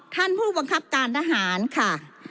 ท่านผู้บังคับการทหารค่ะ